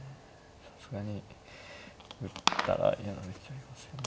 さすがに打ったらやられちゃいますよね。